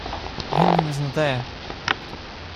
Hindley was not there.